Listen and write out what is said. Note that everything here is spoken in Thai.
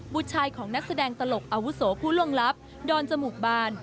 ชายของนักแสดงตลกอาวุโสผู้ล่วงลับดอนจมูกบาน